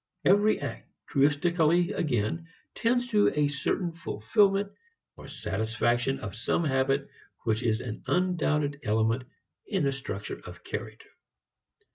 Every act, truistically again, tends to a certain fulfilment or satisfaction of some habit which is an undoubted element in the structure of character.